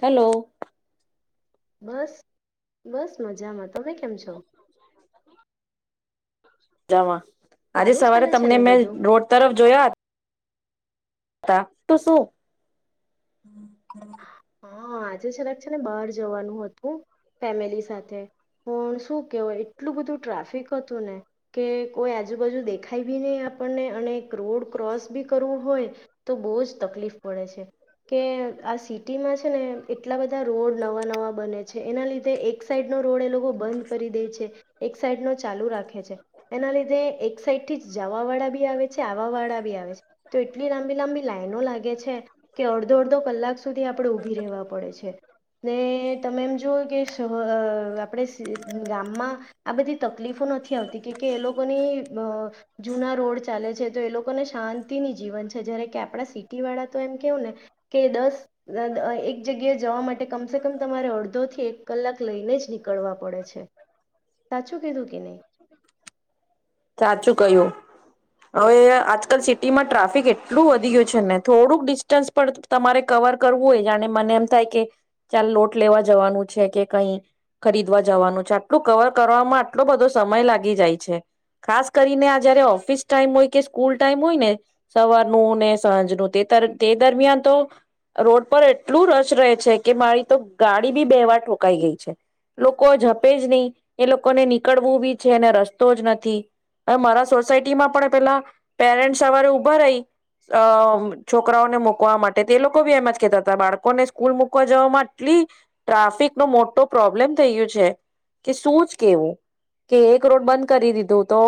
Hello. બસ બસ બસ મજામાંતી. [unintelligible] જમાં. આજે સારું સવારે ચાલે છે તમને ને મેં બધું રોડ તરફ જોયા. રા, તું શું હા આજે છેલાક છે ને બહાર જવાનું હતું, ફેમિલી સાથે, પણ શું કેવાય એટલું બધું ટ્રાફિક હતું ને, કે કોઈ આજુબાજુ દેખાય બી નહી આપણને અને રોડ ક્રોસ બી કરવો હોય, તો બહુ જ તકલીફ પડે છે, કે આ સીટ છે ને એટલા બધા રોડ નવા નવા બને છે એના લીધે એક સાઈડ નો રોડ એ લોકો બંધ કરી દે છે, એક સાઈડ નો ચાલુ રાખે છે, એના લીધે એક સાઈડ થી જ જવા વાળા બી આવે છે આવા વાળા બી આવે છે, તો એટલી લાંબી લાંબી લાઈનો લાગે છે કે અડધો અડધો કલાક આપણે ઉભી રહેવા પડે છે, ને તમે એમ જુઓ કે આપણે ગામમાં, આ બધી તકલીફો નથી આવતી કે એ લોકોની જૂના રોડ ચાલે છે તો એ લોકોને શાંતિની જીવન છે જ્યારે કે આપણા સિટી વાળા તો એમ કેવું ને, કે એક જગ્યાએ જવા માટે કમસે કમ તમારે અડધો થી એક કલાક લઈને જ નીકળવા પડે છે, સાચું કીધું કે નહી. સાચું કહ્યું. હવે આજકાલ સિટી માં ટ્રાફિક એટલું વધી ગયું છે ને. થોડુંક ડિસ્ટન્સ પણ તમારે કવર કરવું હોય જાણે મને એમ થાય, કે ચાલ લોટ લેવા જવાનું છે કે કઈ ખરીદવા જવાનું છે, આટલું કવર કરવામાં આટલો બધો સમય લાગી જાય છે, ખાસ કરીને આ જયારે ઓફિસ ટાઈમ હોય કે સ્કૂલ ટાઈમ હોય ને, સવારનું ને સાંજનું. તે દરમિયાન તો, રોડ પર એટલું રસ રહે છે કે મારી તો ગાડી બી બે વાર ઠોકાઈ ગઈ છે, લોકો જપે જ નહી એ લોકોને નીકળવું બી છે ને રસ્તો જ નથી, હવે મારા સોસાયટીમાં પણ પેલા, પેરેન્ટ સવારે ઉભા રહી, અ છોકરાઓને મૂકવા માટે તે લોકો બી એમ જ કેતા હતા બાળકોને સ્કૂલ મુૂકવા જવામાં એટલી, ટ્રાફિક નો મોટો પ્રોબ્લેમ થઈ ગયો છે, કે શું જ કેવું, કે એક રોડ બંધ કરી દીધું તો,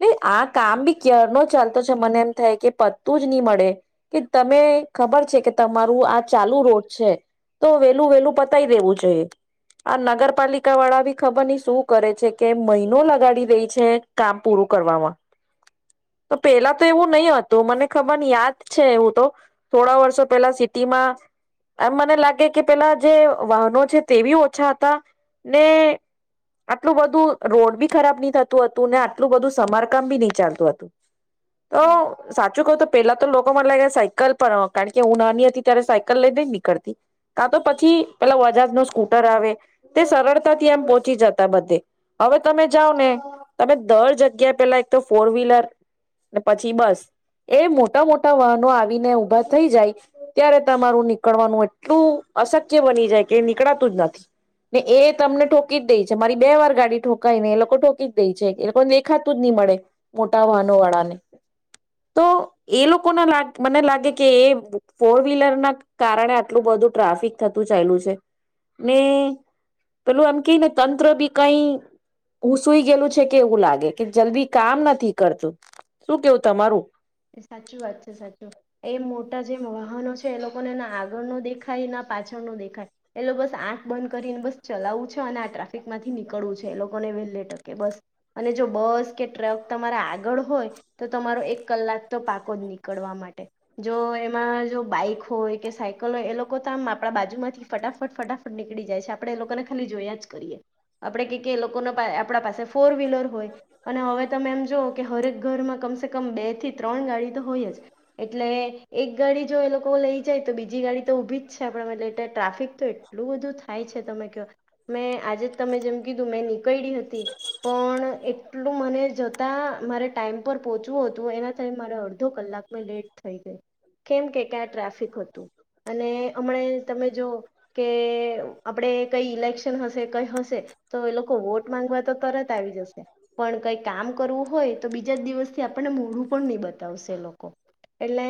ન આ કામ બી ક્યર નો ચાલતો છે મને એમ થાય કે પત્તું જ નહી મળે. કે તમે ખબર છે કે તમારું આ ચાલુ રોડ છે, તો વેલું વેલું પતાય દેવું જોઈએ, આ નગરપાલિકા વાળા બી ખબર નહી શું કરે છે કે મહિનો લગાડી દે છે કામ પૂરું કરવામાં, તો પેલા તો એવું નહી હતું મને ખબર ની યાદ છે એવું તો, થોડા વર્ષો પેલા સિટીમાં, એમ મને લાગે કે પેલા જે વાહનો છે તે બી ઓછા હતા, ને આટલું બધું રોડ બી ખરાબ નહ થતું હતું ને આટલું બધું સમારકામ બી નહી ચાલતું હતું. તો અને સાચું કહ તો પહેલા તો લોકો મ સાયકલ પર કારણ કે હું નાની હતી ત્યારે સાયકલ લઈ ન નીકળતી, કાં તો પછી પેલા વજાજ નો સ્કૂટર આવે, તે સરળતાથી એમ પહોંચી જતા બધે, હવે તમે જાઓ ને તમે દર જગ્યાએ પેલા એક તો ફોર વ્હીલર પછી બસ, એ મોટા મોટા વાહનો આવીને ઉભા થઈ જાય, ત્યારે તમારું નીકળવાનું એટલું અશક્ય બની જાય કે નીકળાતું જ નથી, ને એ તમને ઠોકી જ દે છે મારી બે વાર ગાડી ઠોકાયને એ લોકો ઠોકી જ દે છે એ લોકો દેખાતું જ નહી, મળે મોટા વાહનો વાળાને, તો એ લોક લોકો મને લાગે કે એ ફોર વ્હીલર ના કારણે આટલું બધું ટ્રાફિક થતું ચયલું છે, ને પેલું એમ કે ને તંત્ર બી કઈ ઘુસઈ ગયેલું છે કે એવું લાગે કે જલ્દી કામ નથી કરતું, શું કેવું તમારું? સાચી વાત છે સાચી, એ જે વાહનો છે એ લોકોને ના આગળ નો દેખાય ના પાછળ નો દેખાય, એ લોકો બસ આંખ બંધ કરીને બસ ચલાવું છે અને આ ટ્રાફિક માંથી નીકળવું છે એ લોકોને વહેલે ટકે બસ, અને જો બસ કે ટ્રક તમારા આગળ હોય, તો તમારો એક કલાક તો પાકો જ નીકળવા માટે, જો એમાં જો બાઈક હોય કે સાયકલ હોય એ લોકો તો આમ આપણા બાજુમાંથી ફટાફટ ફટાફટ નીકળી જાય છે આપડે એ લોકોને ખાલી જોયા જ કરીએ, આપડે કે એ લોકો આપ પાસે ફોર વ્લર હોય, અને હવે તમે એમ જો કે હરેક ઘરમાં કમસે કમ બે ત્રણ ગાડી તો હોય જ, એટલે એક ગાડી જો એ લોકો લઈ જાય તો બીજી ગાડી તો ઊભી જ છે આપલે એલે ટ્રાફિક તો એટલું બધું થાય છે તમે કહ, મેં આજે જ તમે એમ કીધું મેં નીકળી હતી, પણ એટલું મને જતા મારે ટાઈમ પર પહોંચવું હતું એના મારે અડધો કલાકમાં લેટ થઈ ગઈ, કેમ કે ક્યાં ટ્રાફિક હતું, અને હમણા તમે જો કે આપણે કઈ ઇલેક્શન હશે કઈ હશે, તો એ લોકો વોટ માંગવા તો તરત આવી જશે, પણ કઈ કામ કરવું હોય તો બીજા જ દિવસથી આપણને મોડું પણ નહી બતાવશે લોકો, એટલે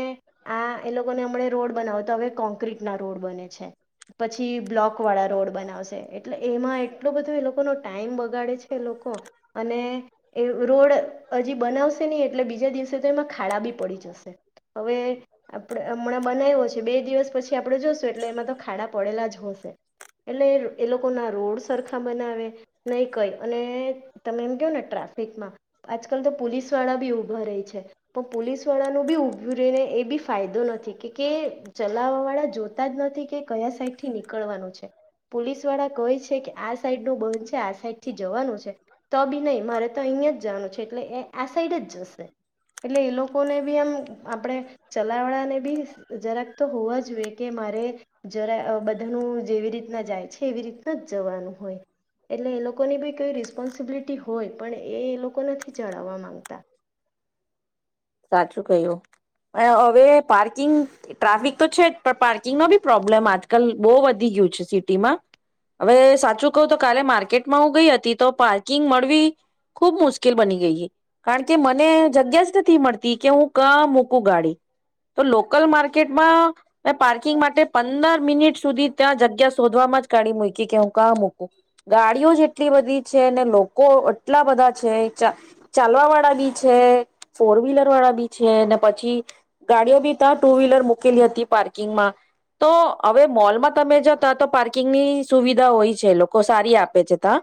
આ એ લોકોને હમણા રોડ બનાવો તો હવે કોન્ક્રીટ ના રોડ બને છે, પછી બ્લોક વાળા રોડ બનાવશે એટલે એમાં એટલો બધો એ લોકોનો ટાઈમ બગાડે છે એ લોકો. અને એ રોડ હજી બનાવશે નહી એટલે બીજા દિવસે એમાં ખાડા બી પડી જશે હવે આપ હમણાં બનાવ્યો છે બે દિવસ પછી આપણે જોશું એટલે એમાં તો ખાડા પડેલા જ હોશે એટલે એ લોકો ના રોડ સરખા બનાવે નહી કઈ અને તમે એમ કહો ને ટ્રાફિકમાં આજકાલ તો પોલીસ વાળા બી ઉભા રહી છે. પોલીસ વાળાનું બી ઊભય રહીને એ બી ફાયદો નથી કે ચલાવવા વાળા જોતા જ નથી કે કયા સાઈડથી નીકળવાનું છે પોલીસ વાળા કહે છે કે આ સાઈડ નું બંધ છે આ સાઈડ થી જવાનું છે. નહી મારે તો અહીયાં જવાનું છે એટલે એ આ સાઈડ જ જશે. એટલે એ લોકોને બી આમ આપણે ચલાવળાને બી જરાક તો હોવા જોઈએ કે મારે જરા બધાનું જેવી રીતના જાય છે એવી રીતના જ જવાનું હોય એટલે એ લોકોને બી કોઈ રિસ્પોન્સિબિલિટી હોય. હોય પણ એ લોકો નથી ચડાવા માંગતા. સાચું કય્યું હવે પાર્કિંગ ટ્રાફિક તો છે જ પણ પાર્કિંગમા બી પ્રોબ્લેમ આજકલ બહુ વધી ગયું છે સિટીમાં હવે સાચું કહું તો કાલે માર્કેટમાં હું ગઈ હતી તો પ મળવી ખૂબ મુશ્કેલ બની ગઈ કારણ કે મને જગ્યા જ નથી મળતી કે હું ક મૂકું ગાડી તો લોકલ માર્કેટમાં મે પાર્કિંગ માટે પંદર મિનિટ સુધી ત્યાં જગ્યા શોધવામાં જ ગાડી મુકીય કે હું કા મૂકું ગાડીઓ જેટલી બધી છે ને લો લોકો આટલા બધા છે ચા ચાલવા વાળા બી છે ફોર વ્હીલર વાળા બી છે ને પછી ગાડીઓ બી ત્યા ટુ વ્હીલર મૂકેલી હતી પાર્કિંગમાં તો હવે મોલમાં તમે જતા તો પાર્કિંગ પાર્કિંગ ની સુવિધા હોય છે લોકો સારી આપે છે ત્યા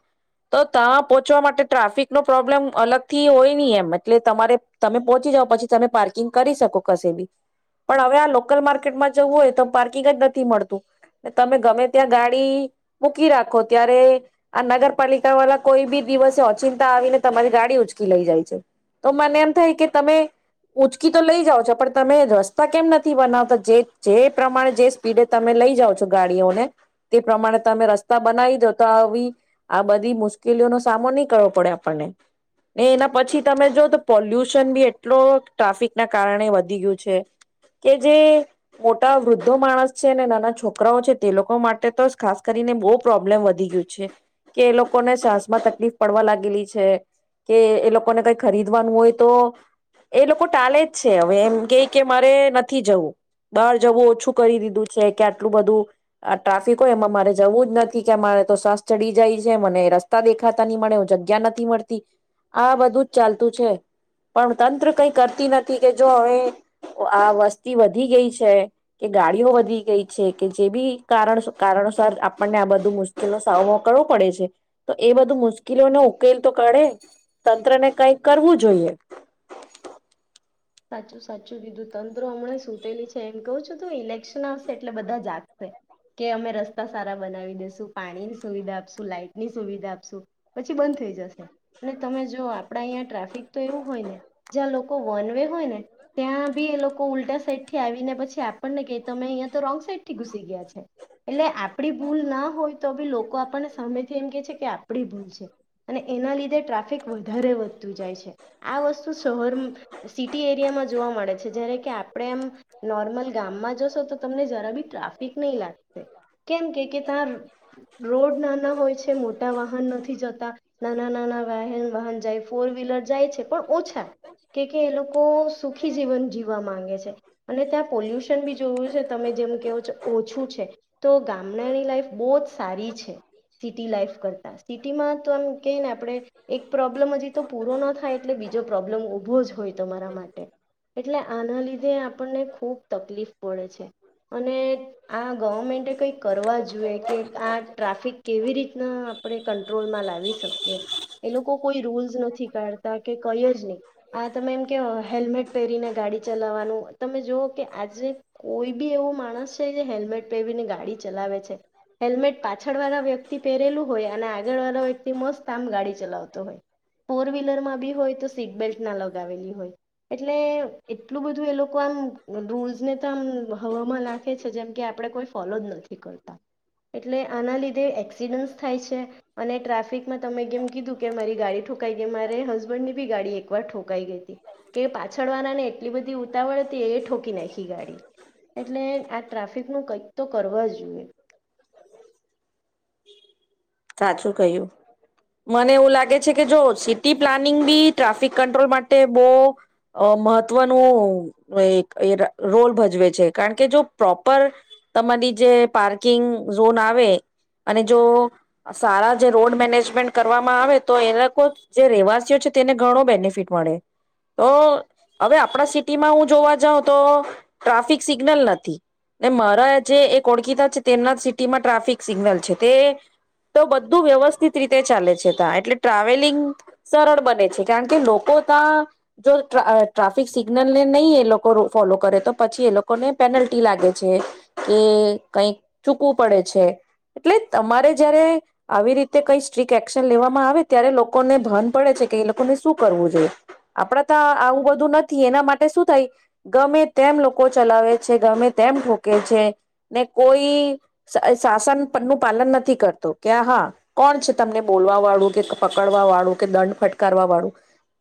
તો તા પહોંચવા માટે ટ્રાફિકનો પ્રોબ્લેમ અલગથી હોય નહી એમ એટલે તમારે તમે પહોંચી જઓ પછી તમે પાર્કિંગ કરી શકો કશે બી પણ હવે આ લોકલ માર્કેટમાં જવું હોય તો પાર્કિંગ જ નથી મળતું તમે ગમે ત્યાં ગાડી મૂકી રાખો ત્યારે આ નગરપાલિકા વાળા કોઈ બી દિવસ અચિંતા આવીને તમારી ગાડી ઉચકી લઈ જાય છે તો મને એમ થાય કે તમે ઉંચકી તો લઈ જાાવ છો પણ તમે રસ્તા કેમ નથી બનાવતા જે જે પ્રમાણે જે સ્પીડે તમે લઈ જાાવ છો ગાડીઓને તે પ્રમાણે તમે રસ્તા બનાવી દો તો આવી આ બધી મુશ્કેલીઓનો સામો નહી કરવો પડે આપણને ને એના પછી તમે જો તો પોલ્યુશન બી એટલો ટ્રાફિક ના કારણે વધી ગયું છે કે જે મોટા વૃદ્ધો માણસ છે ને નાના છોકરાઓ છે તે લોકો માટે તો ખાસ કરીને બહુ પ્રોબ્લેમ વધી ગયું છે કે એ લોકોને સાસમાં ત તકલીફ પડવા લાગેલી છે કે એ લોકોને કઈ ખરીદવાનું હોય તો એ લોકો ટાલે જ છે હવે એમ કે કે મારે નથી જવું બહાર જવું ઓછું કરી દીધું છે કે આટલું બધું ટ્રાફિક હોય એમાં મારે જવું જ નથી કે મારે તો સાસ ચડી જાય છે મને રસ્તા દે ખાતા ની મળે જગ્યા નથી મળતી આ બધું જ ચાલતું છે પણ તંત્ર કઈ કરતી નથી કે જો હવે આ વસ્તી વધી ગઈ છે કે ગાડીઓ વધી ગઈ છે કે જે બી કારણ કારણોસાર આપણને આ બધું મુશ્કેલ નો સામનો કરવો પડે છે. એ બધું મુશ્કેલો નો ઉકેલ તો કાઢે તંત્ર ને કઈ કરવું જોઈએ. સાચું સાચું કીધું તંત્ર હમણાં સુતેલી છે એમ કહું છું તું ઇલેક્શન આવશે એટલે બધા જાગશે કે અમે રસ્તા સારા બનાવી દેસું પાણીની સુવિધા આપશું લાઈટ ની સુવિધા આપશું પછી બંધ થઈ જશે અને તમે જો આપડા અહીંયા ટ્રાફિક તો એવું હોય ને જ્યાં લોકો વન વે ને ત્યાં બી એ લોકો ઉલ્ટા સાઈડ થી આવીને પછી આપણને ક અમે અં તો રોંગ સાઈડ થી ઘુસી ગયા છે એટલે આપડી ભૂલ ના હોય તો બી લોકો. સામેથી એમ કે છે કે આપડી ભૂલ છે અને એના લીધે ટ્રાફિક વધારે વધતું જાય છે આ વસ્તુ શર. સ એરિયામાં જોવા મળે છે જ્યારે કે આપણે એમ નોર્મલ. ગામમાં જશો તો તમને જરા બી ટ્રાફિક નહીં લાગશે કેમ કે કે ત્યાં રોડ નાના હોય છે. મોટા વાહન નથી જતા નાના નાના વાહન જાય ફોર વ્હીલર જાય છે પણ ઓછા. કે એ લોકો સુખી જીવન જીવવા માંગે છે અને ત્યાં પોલ્યુશન બી જોયું છે તમે જેમ કહો છો ઓછું છે તો ગામડાની લાઈફ બહુ જ સારી છે સીટી લાઈફ કરતાં સિટીમાં તો એમ કહી ને આપણે એક પ્રોબ્લમ હજી તો પૂરો ન થાય એટલે બીજો પ્રોબ્લમ ઊભો જ. હોય તમારા માટે એટલે આના લીધે આપણને ખુબ તકલીફ પડે છે અને આ ગવર્મેન્ટે કઈક કરવા જોઈએ કે આ ટ્રાફિક કેવી રીતના આપણે કંટ્રોલમાં લાવી શકીએ એ લોકો કોઈ રૂલ્સ નથી. નથી કડતાં કે કઈ જ નહી. આ તમે એમ કે હેલ્મેટ પહેરીને ગાડી ચલાવવાનું. તમે જોઓ કે આજે કોઈ બી એવો માણસ છે જે હેલ્મેટ પહેરીને ગાડી ચલાવે છે હેલ્મેટ પાછળ વાળા વ્યક્તિ પહેરેલું હોય અને આગળ વાળા વ્યક્તિ મસ્ત આમ ગાડી ચલાવતો હોય ફોર વ્હીલર માં બી હોય તો સીટબલ્ટ. લગાવે હોય એટલે એટલું બધું એ લોકો આમ રૂલ્સને તો આમ હવામાં નાખે છે જેમ કે આપણે કોઈ ફોલો જ નથી કરતા એટલે આના લીધે. એક્સિડન્ટ થાય છે અને ટ્રાફિકમાં તમે કેમ કીધું કે મારી ગાડી ઠોકાઈ ગઈ મારે હસબન્ડ ની બી ગાડી એક. ઠોકાઈ ગઈ હતી કે પાછળવાના ને એટલી બધી. [inaudible] ઉતાવળ તી ઠોકી નાખી ગાડી. એટલે આ ટ્રાફિક નું કંઈક તો કરવા જ જોઈએ. સાચું કહ્યું મને એવું લાગે છે કે જો સિટી પ્લાનિંગ બી ટ્રાફિક કંટ્રોલ માટે બહુ મહત્વનું અ ર રોલ ભજવે છે કારણ કે જો પ્રોપર તમારી જે પાર્કિંગ ઝોન આવે અને જો. સારા જે રોડ મેનેજમેન્ટ કરવામાં આવે તો એ લોકો જે રહેવાસીઓ છે તેને ઘણો બેનિફિટ મળે તો હવે આપણા સિટીમાં હું જોવા જાઉં તો ટ્રાફિક સિગ્નલ નથી ને મારા જે ઓળખીતા છે તેમના સિટીમાં ટ્રાફિક સિગ્નલ છે તે. તો બધું વ્યવસ્થિત રીતે ચાલે છે તા એટલે ટ્રાવેલિંગ સરળ બને છે, કારણ કે લોકો તા જો ટ્રા ટ્રાફિક સિગ્નલ ને નહીં એ લોકો રો ફોલો કરે તો પછી એ લોકોને પેનલ્ટી લાગે છે, કે કઈક ચૂકવું પડે છે, એટલે તમારે. જ્યારે આવી રીતે કઈ સ્ટ્રીક એક્શન લેવામાં આવે ત્યારે લોકોને ભાન પડે છે કે એ લોકોને શું કરવું જોઈએ, આપડા તો આવું બધું નથી એના માટે શું થાય ગમે તેમ લોકો ચલાવે છે, ગમે તેમ ઠોકે છે ને કોઈ શાસન નું પાલન નથી કર તું કે હા કોણ છે તમને બોલવા વાળું, કે પકડવા વાળું, કે દંડ ફટકારવા વાળું,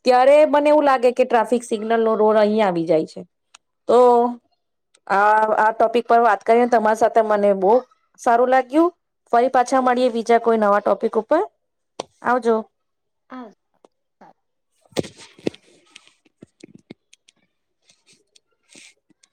ત્યારે મને એવું લાગે કે ટ્રાફિક સિગ્નલ નો રોલ અહીં આવી જાય છે, તો આ આ ટોપિક પર વાત કરીને તમારી સાથે મને બહ સારું લાગ્યું, ફરી પાછા મળીએ બીજા કોઈ નવા ટોપિક ઉપર, આવજો. હા. [inaudible] [inaudible]